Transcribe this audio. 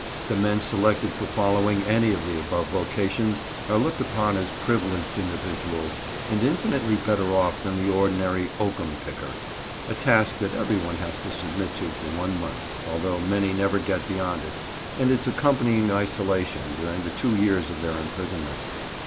The men selected for following any of the above vocations are looked upon as privileged individuals, and infinitely better off than the ordinary oakum picker—a task that everyone has to submit to for one month, although many never get beyond it and its accompanying isolation during the two years of their imprisonment.